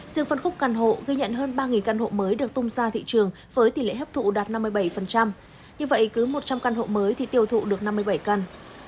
riêng phân khúc căn hộ ghi nhận hơn ba căn hộ mới được tung ra thị trường với tỷ lệ hấp thụ đạt năm mươi bảy như vậy cứ một trăm linh căn hộ mới thì tiêu thụ được năm mươi bảy căn